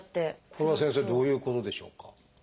これは先生どういうことでしょうか？